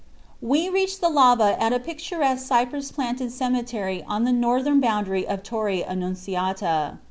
"We reached the lava at a picturesque cypress planted cemetery on the northern boundary of Torre Annunziata.